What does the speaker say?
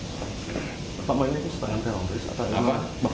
bapak menurutnya itu serang teroris